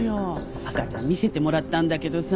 赤ちゃん見せてもらったんだけどさ